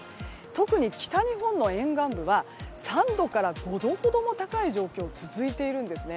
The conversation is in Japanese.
特に北日本の沿岸部は３度から５度ほども高い状況が続いているんです。